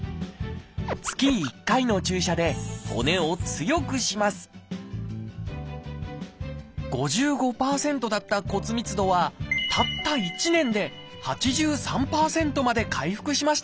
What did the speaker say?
月１回の注射で骨を強くします５５％だった骨密度はたった１年で８３％まで回復しました。